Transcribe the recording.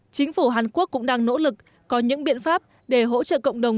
chính phủ hàn quốc cũng đang nỗ lực có những biện pháp để hỗ trợ cộng đồng